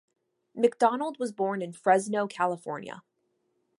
McDonald was born in Fresno, California.